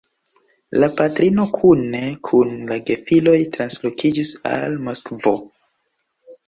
La patrino kune kun la gefiloj translokiĝis al Moskvo.